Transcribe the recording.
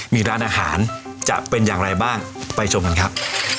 มีร้านอาหารจะเป็นอย่างไรบ้างไปชมกันครับ